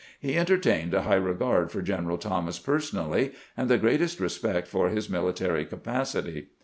He entertained a high regard for General Thomas personally, and the greatest respect for his military capacity.